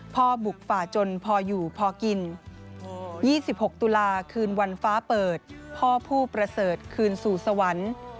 พ่อบุกฝ่าจนพออยู่พอกิน๒๖ตุลาคืนวันฟ้าเปิดพ่อผู้ประเสริฐคืนสู่สวรรค์